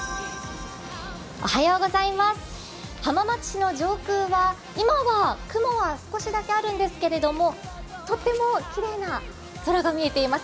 浜松市の上空は、今は雲は少しだけあるんですけれども、とてもきれいな空が見えています。